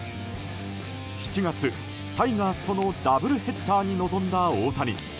７月、タイガースとのダブルヘッダーに臨んだ大谷。